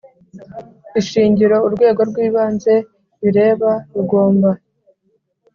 Ishingiro urwego rw ibanze bireba rugomba